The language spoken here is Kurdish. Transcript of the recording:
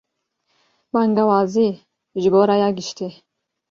Bangewazî ji bo raya giştî